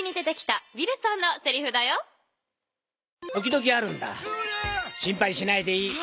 「時々あるんだ」「心配しないでいい」